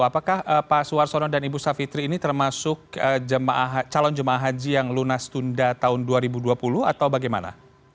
apakah pak suwarsono dan ibu savitri ini termasuk calon jemaah haji yang lunas tunda tahun dua ribu dua puluh atau bagaimana